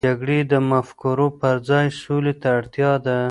د جګړې د مفکورو پر ځای، سولې ته اړتیا ده.